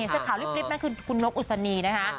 เสื้อขาวลิปนั่นคือคุณนกอุศนีนะคะ